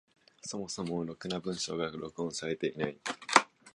そもそもろくな文章が録音されていない。